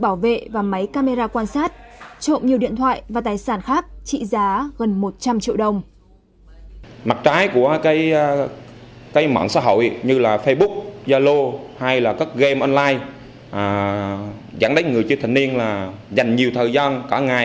bảo vệ và máy camera quan sát trộm nhiều điện thoại và tài sản khác trị giá gần một trăm linh triệu đồng